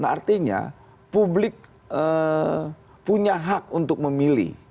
nah artinya publik punya hak untuk memilih